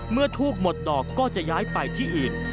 ทูบหมดดอกก็จะย้ายไปที่อื่น